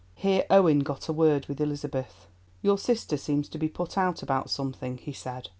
Here Owen got a word with Elizabeth. "Your sister seems to be put out about something," he said.